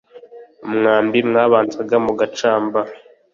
umwambi mwabanzaga mu gacamba,